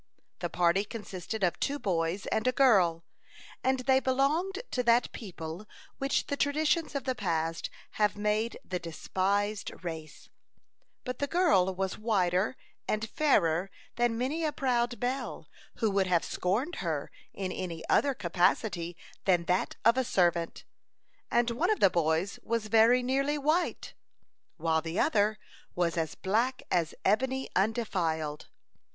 The party consisted of two boys and a girl, and they belonged to that people which the traditions of the past have made the "despised race;" but the girl was whiter and fairer than many a proud belle who would have scorned her in any other capacity than that of a servant; and one of the boys was very nearly white, while the other was as black as ebony undefiled.